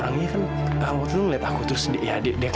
orang orang ini kan waktu itu ngeliat aku terus dikenalin aku